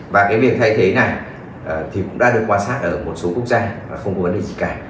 và cái việc thay thế này thì cũng đã được quan sát ở một số quốc gia không có vấn đề gì cả